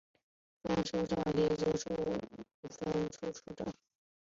分处首长职称为分处处长。